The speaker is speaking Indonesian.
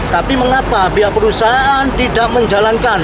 tapi mengapa pihak perusahaan tidak menjalankan